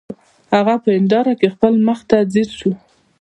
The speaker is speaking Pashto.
هغه په هنداره کې خپل مخ ته ځیر شو